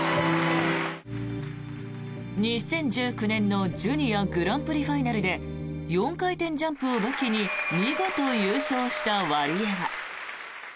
２０１９年のジュニアグランプリファイナルで４回転ジャンプを武器に見事優勝したワリエワ。